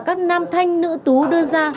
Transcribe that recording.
các nam thanh nữ tú đưa ra